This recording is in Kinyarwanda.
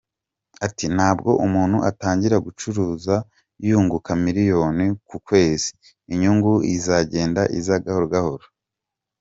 Ati : “Ntabwo umuntu atangira gucuruza yunguka miliyoni ku kwezi, inyungu izagenda iza gahoro gahoro.